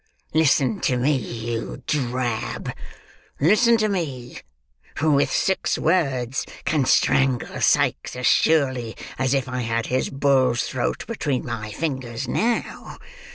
Listen to me, you drab. Listen to me, who with six words, can strangle Sikes as surely as if I had his bull's throat between my fingers now.